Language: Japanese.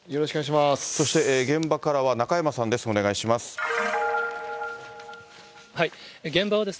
そして、現場からは中山さんです。